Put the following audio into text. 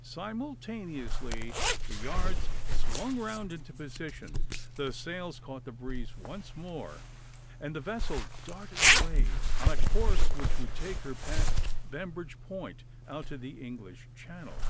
Simultaneously the yards swung round into position, the sails caught the breeze once more, and the vessel darted away on a course which would take her past Bembridge Point out to the English Channel.